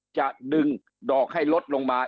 จะดึงดอกให้ลดลงมา